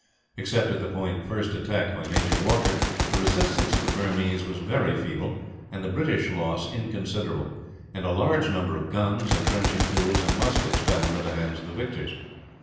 Except at the point first attacked by Major Walker, the resistance of the Burmese was very feeble, and the British loss inconsiderable; and a large number of guns, entrenching tools, and muskets fell into the hands of the victors.